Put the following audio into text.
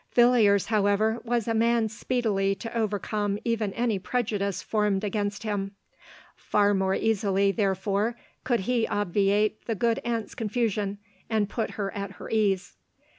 Villiers, however, was a man speedily to overcome even any prejudice formed against him ; far more easily, therefore, could he obviate the good aunt's confusion, and put her at her ease.